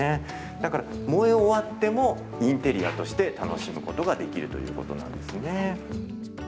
だから燃え終わってもインテリアとして楽しむことができるということなんですね。